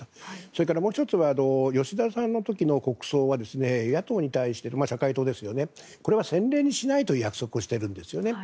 それからもう１つは吉田さんの時の国葬は社会党に対してこれは先例にしないと約束をしているんですね。